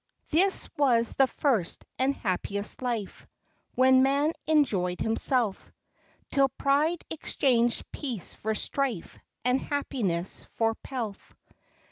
This was the first and happiest life, When man enjoy'd himself, Till pride exchanged peace for strife, And happiness for pelf.